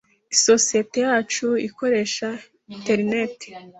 Isosiyete yacu ikoresha interineti.